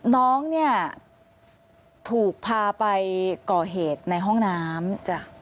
น้องเนี่ยถูกพาไปก่อเหตุในห้องน้ำ